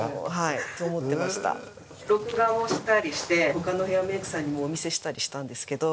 録画をしたりして他のヘアメイクさんにもお見せしたりしたんですけど。